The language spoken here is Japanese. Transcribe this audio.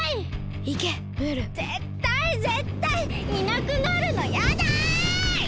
ぜったいぜったいいなくなるのやだ！